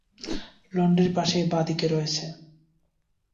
লন্ড্রির পাশেই বাঁ-দিকে রয়েছে।